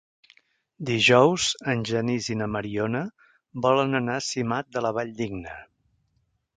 Dijous en Genís i na Mariona volen anar a Simat de la Valldigna.